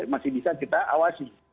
masih bisa kita awasi